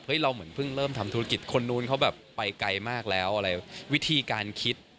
เราเหมือนเพิ่งเริ่มทำธุรกิจคนนู้นเขาแบบไปไกลมากแล้วอะไรวิธีการคิด